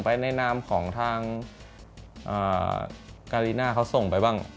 ในนามของทางการีน่าเขาส่งไปบ้าง